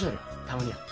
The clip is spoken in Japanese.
たまには。